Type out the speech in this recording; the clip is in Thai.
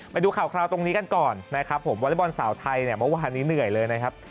ไปดูข่าวตรงนี้กันก่อนนะครับผมวอเล็กบอลสาวไทยเนี่ยเมื่อวานนี้เหนื่อยเลยนะครับ